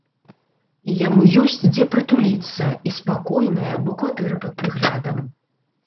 І яму ёсць дзе прытуліцца, і спакойная, бо кватэра пад прыглядам.